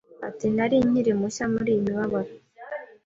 Ati Nari nkiri mushya muri iyi mibabaro